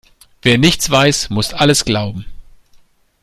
Wer nichts weiß, muss alles glauben.